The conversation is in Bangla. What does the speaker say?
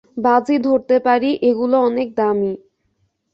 বাজি ধরতে পারি এগুলো অনেক দামি।